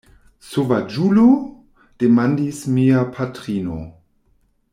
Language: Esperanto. Sovaĝulo!? demandis mia patrino.